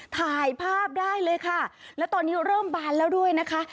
ถ่ายภาพได้เลยค่ะแล้วตอนนี้เริ่มบานแล้วด้วยนะคะ